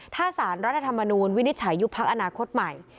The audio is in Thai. ถ้าสารรัฐธรรมนูลวินิจฉัยยุบพักอนาคตใหม่